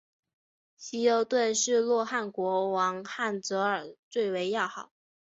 希优顿是洛汗国王塞哲尔最为要好。